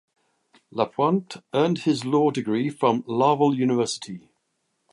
Lapointe earned his law degree from Laval University.